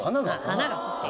華が欲しい。